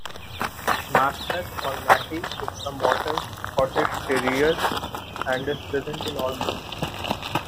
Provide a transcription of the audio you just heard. Macbeth, or "Mackie", is the Morton's Scottish terrier and is present in all books.